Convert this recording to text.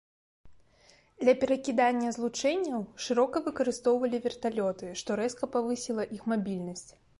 Для перакідання злучэнняў шырока выкарыстоўвалі верталёты, што рэзка павысіла іх мабільнасць.